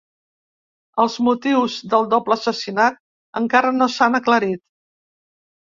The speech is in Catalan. Els motius del doble assassinat encara no s'han aclarit.